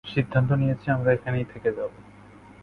সিদ্ধান্ত নিয়েছি, আমরা এখানেই থেকে যাবো।